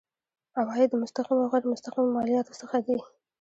عواید د مستقیمو او غیر مستقیمو مالیاتو څخه دي.